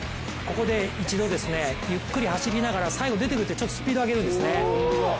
ここで一度、ゆっくり走りながら最後出てくるときちょっとスピード上げるんですね。